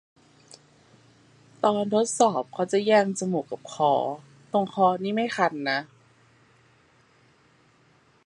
ตอนทดสอบเขาจะแย่ง จมูกกับคอ ตรงคอนี่ไม่คันนะ